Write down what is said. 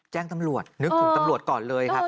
แจ้งตำรวจนึกถึงตำรวจก่อนเลยครับ